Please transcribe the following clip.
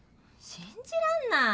信じらんない。